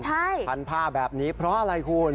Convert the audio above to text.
ใช่พันผ้าแบบนี้เพราะอะไรคุณ